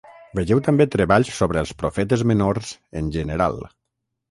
Vegeu també treballs sobre els profetes menors en general.